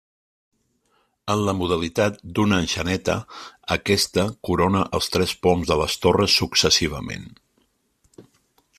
En la modalitat d'una enxaneta, aquesta corona els tres poms de les torres successivament.